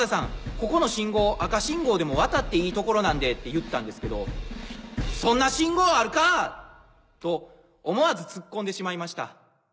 ここの信号赤信号でも渡っていい所なんで」って言ったんですけど「そんな信号あるか！」と思わずツッコんでしまいました。